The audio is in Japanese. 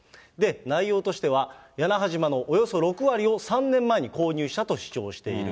内容としては、屋那覇島のおよそ６割を３年前に購入したと主張している。